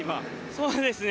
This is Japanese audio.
そうですね。